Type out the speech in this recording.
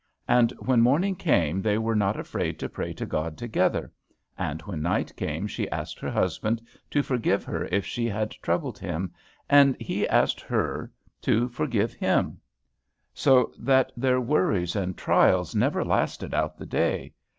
And when morning came they were not afraid to pray to God together, and when night came she asked her husband to forgive her if she had troubled him, and he asked her to forgive him, so that their worries and trials never lasted out the day.